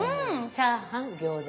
チャーハン餃子。